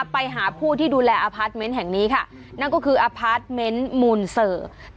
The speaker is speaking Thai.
ไปหาผู้ที่ดูแลอพาร์ทเมนต์แห่งนี้ค่ะนั่นก็คืออพาร์ทเมนต์มูลเสิร์ฟ